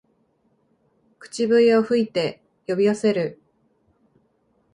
口笛を吹いて呼び寄せる